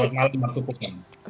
selamat malam waktu kupang